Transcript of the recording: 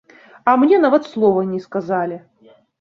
А мне нават слова не сказалі.